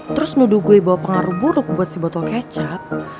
terus nuduh gue bawa pengaruh buruk buat si botol kecap